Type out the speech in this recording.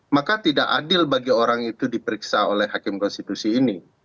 maka tidak adil bagi orang itu diperiksa oleh hakim konstitusi ini